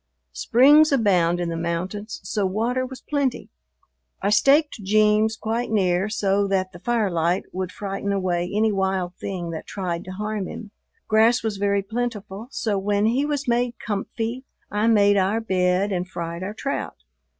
Springs abound in the mountains, so water was plenty. I staked "Jeems" quite near so that the firelight would frighten away any wild thing that tried to harm him. Grass was very plentiful, so when he was made "comfy" I made our bed and fried our trout.